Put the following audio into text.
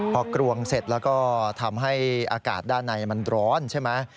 พอกรวงเสร็จแล้วก็ทำให้อากาศด้านในมันร้อนใช่ไหม